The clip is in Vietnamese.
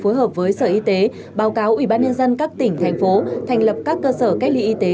phối hợp với sở y tế báo cáo ủy ban nhân dân các tỉnh thành phố thành lập các cơ sở cách ly y tế